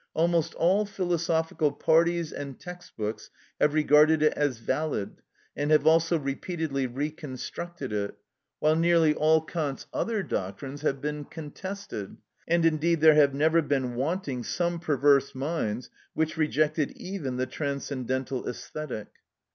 Almost all philosophical parties and text books have regarded it as valid, and have also repeatedly reconstructed it; while nearly all Kant's other doctrines have been contested, and indeed there have never been wanting some perverse minds which rejected even the transcendental æsthetic.